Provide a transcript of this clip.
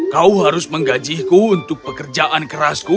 kau harus menggajiku untuk pekerjaan kerasku